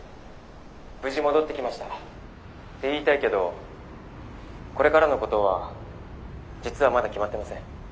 無事戻ってきましたって言いたいけどこれからのことは実はまだ決まってません。